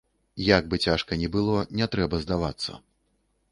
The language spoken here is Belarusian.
Як бы цяжка ні было, не трэба здавацца.